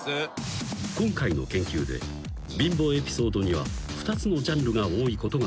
［今回の研究で貧乏エピソードには２つのジャンルが多いことが分かった］